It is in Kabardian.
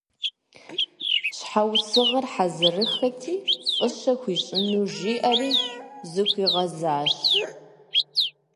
Щхьэусыгъуэр хьэзырыххэти, фӏыщӏэ хуищӏыну жиӏэри, зыхуигъэзащ.